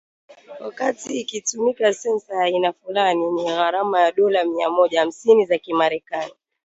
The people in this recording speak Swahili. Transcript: wakati ikitumika sensa ya aina fulani yenye gharama ya dola mia moja hamsini za kimerekani